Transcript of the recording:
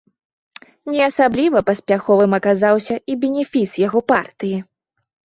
Не асабліва паспяховым аказаўся і бенефіс яго партыі.